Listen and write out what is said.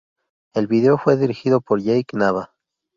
El video fue dirigido por Jake Nava.